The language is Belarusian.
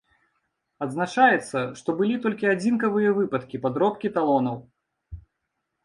Адзначаецца, што былі толькі адзінкавыя выпадкі падробкі талонаў.